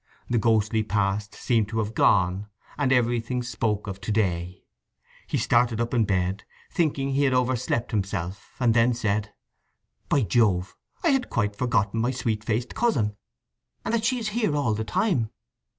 The ghostly past seemed to have gone, and everything spoke of to day. He started up in bed, thinking he had overslept himself and then said: "By Jove—I had quite forgotten my sweet faced cousin, and that she's here all the time!